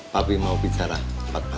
papi mau bicara tempat tempat